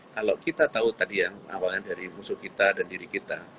kalau kita tahu tadi yang awalnya dari musuh kita dan diri kita